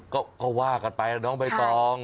ก็ว่ากันไปแล้วน้องใบตอง